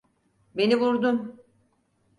Beni vurdun!